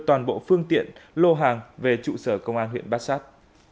toàn bộ phương tiện lô hàng về trụ sở công an huyện bát sát